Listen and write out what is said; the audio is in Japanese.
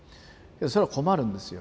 それは困るんですよ。